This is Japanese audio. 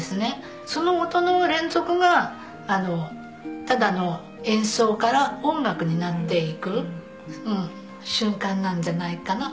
その音の連続がただの演奏から音楽になっていく瞬間なんじゃないかなって。